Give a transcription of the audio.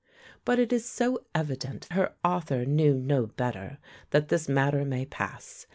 But it is so evident her author knew no better, that this matter may pass.